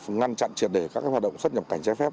ngăn chặn triệt để các hoạt động xuất nhập cảnh trái phép